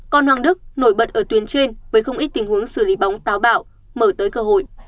con hoàng đức nổi bật ở tuyến trên với không ít tình huống xử lý bóng táo bạo mở tới cơ hội